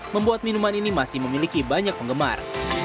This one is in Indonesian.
keman ini masih memiliki banyak penggemar